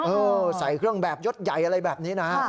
ใส่เครื่องแบบยดใหญ่อะไรแบบนี้นะฮะ